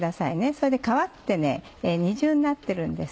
それで皮って二重になってるんです。